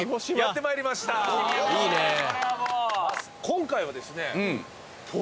今回はですね。